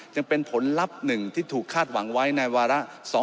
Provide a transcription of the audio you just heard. ยังเป็นผลลัพธ์๑ที่ถูกคาดหวังไว้ในวาระ๒๕๖